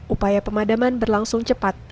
upaya pemadaman berlangsung cepat